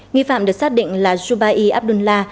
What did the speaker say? nghi phạm được xác định là jubai abdullah